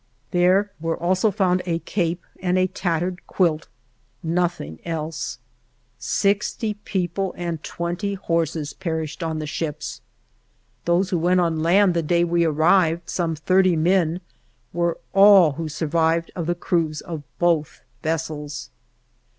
There were also found a cape and a tattered quilt, nothing else. Sixty people and twenty horses perished on the ships. Those who went on land the day we arrived, some thirty men, were all who survived of the crews of both vessels.